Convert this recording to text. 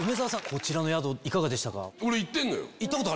こちらの宿いかがでしたか？